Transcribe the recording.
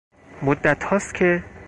مدتها است که...